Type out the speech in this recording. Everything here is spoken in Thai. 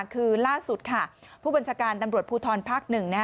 คือล่าสุดค่ะผู้บัญชาการตำรวจภูทรภาค๑